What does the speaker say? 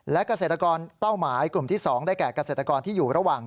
และเกษตรกรเป้าหมายกลุ่มที่๒ได้แก่เกษตรกรที่อยู่ระหว่าง